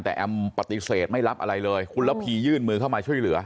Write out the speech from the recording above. แต่แอมปฏิเสธไม่รับอะไรเลยคุณระพียื่นมือเข้ามาช่วยเหลือ